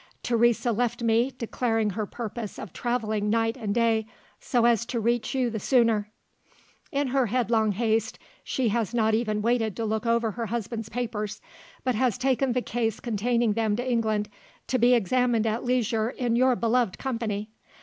"Teresa left me, declaring her purpose of travelling night and day, so as to reach you the sooner. "In her headlong haste, she has not even waited to look over her husband's papers; but has taken the case containing them to England to be examined at leisure, in your beloved company.